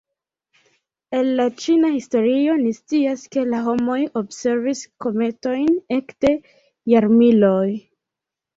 El la ĉina historio ni scias, ke la homoj observis kometojn ekde jarmiloj.